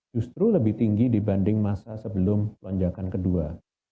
justru lebih tinggi dibanding masa sebelum lonjakan kedua